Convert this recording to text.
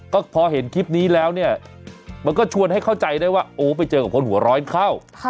ก็พอเห็นคลิปนี้แล้วเนี่ยมันก็ชวนให้เข้าใจได้ว่าโอ้ไปเจอกับคนหัวร้อนเข้า